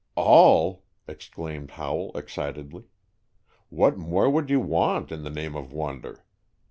"All!" exclaimed Howell, excitedly. "What more would you want, in the name of wonder?